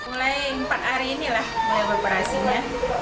mulai empat hari inilah mulai operasinya